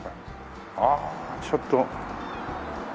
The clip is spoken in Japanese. ああちょっと。